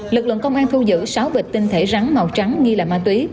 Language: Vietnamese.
lực lượng công an thu giữ sáu bịch tinh thể rắn màu trắng nghi là ma túy